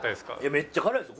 めっちゃ辛いですよ。